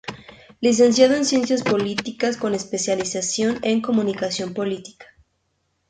Licenciado en ciencias políticas con especialización en comunicación política.